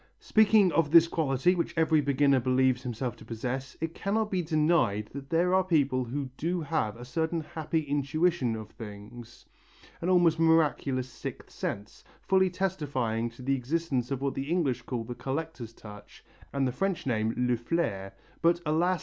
Speaking of this quality which every beginner believes himself to possess, it cannot be denied that there are people who do have a certain happy intuition of things, an almost miraculous sixth sense, fully testifying to the existence of what the English call the collector's touch and the French name le flair, but, alas!